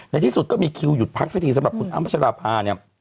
ในที่สุดก็มีคิวหยุดพันธ์สิทธิสำหรับคุณอ้ามพจรพา